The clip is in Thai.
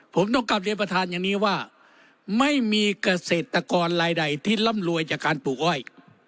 ผมต้องกลับเรียนประธานอย่างนี้ว่าไม่มีเกษตรกรลายใดที่ร่ำรวยจากการปลูกอ้อย